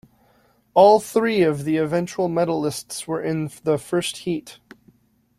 All three of the eventual medallists were in the first heat.